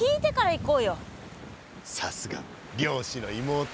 さすが漁師の妹。